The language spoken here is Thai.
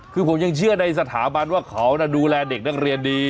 คือผมยังเชื่อในสถาบันว่าเขาดูแลเด็กนักเรียนดี